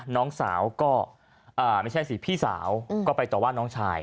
น้องสาวก็ไม่ใช่สิพี่สาวก็ไปต่อว่าน้องชาย